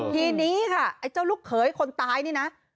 ทีนี้ค่ะไอ้เจ้าลูกเขยคนตายนี่นะ